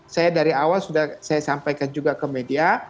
saya dari awal sudah saya sampaikan juga ke media